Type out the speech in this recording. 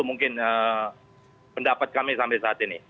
mungkin pendapat kami sampai saat ini